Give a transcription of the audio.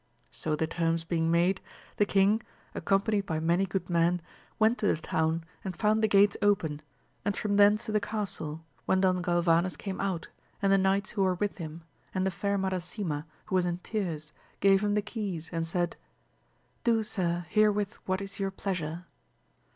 So the terms being made, the king, ac companied by many good men, went to the town and found the gates open, and from thence to the castle, when Don Galvanes came out, and the knights who were with him, and the fair Madasima, who was in tears, gave him the keys and said, Do Sir herewith what is your pleasure.